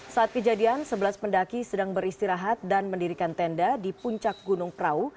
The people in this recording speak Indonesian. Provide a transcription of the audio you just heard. saat kejadian sebelas pendaki sedang beristirahat dan mendirikan tenda di puncak gunung prau